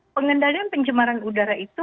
pengendalian pencemaran udara itu